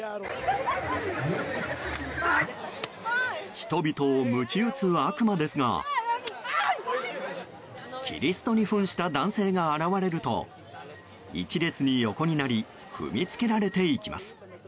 人々をむち打つ悪魔ですがキリストに扮した男性が現れると１列に横になり踏みつけられていきます。